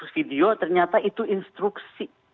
video ternyata itu instruksi